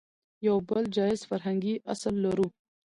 يو بل جايز فرهنګي اصل لرو